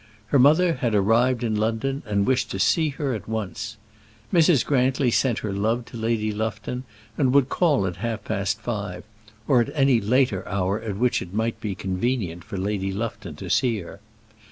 Her mother had arrived in London and wished to see her at once. Mrs. Grantly sent her love to Lady Lufton, and would call at half past five, or at any later hour at which it might be convenient for Lady Lufton to see her.